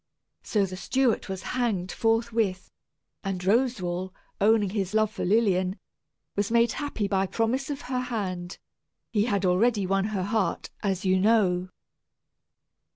So the steward was hanged forthwith, and Roswal, owning his love for Lilian, was made happy by promise of her hand he had already won her heart, as you know.